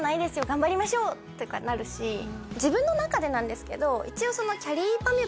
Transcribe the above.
頑張りましょう！とかなるし自分の中でなんですけど一応きゃりーぱみ